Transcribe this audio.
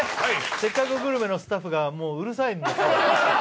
「せっかくグルメ！！」のスタッフがもう、うるさいんで。